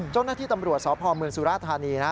โจทย์หน้าที่ตำรวจสอบภอมเมืองสุราธารณีนะ